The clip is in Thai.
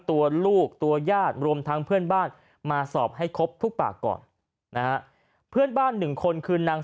ตัวลูกตัวญาติรวมทั้งเพื่อนบ้านมาสอบให้ครบทุกปากก่อนนะฮะเพื่อนบ้านหนึ่งคนคือนาง